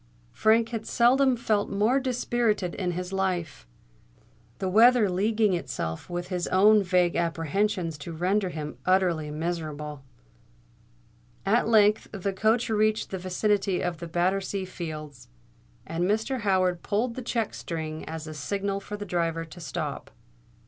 Frank had seldom felt more dispirited in his life, the weather leaguing itself with his own vague apprehensions to render him utterly miserable. At length the coach reached the vicinity of Battersea Fields; and Mr. Howard pulled the check string as a signal for the driver to stop.